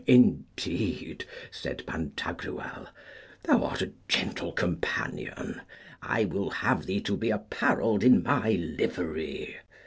Indeed, said Pantagruel, thou art a gentle companion; I will have thee to be apparelled in my livery.